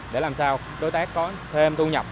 để làm sao đối tác có thêm thu nhập